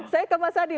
saya ke mas adi